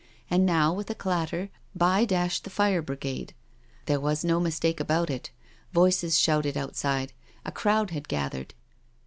And now, with a clatter, by dashed the! fire bri gade. There was no mistake about it now. Voices shouted outside. A crowd had gathered.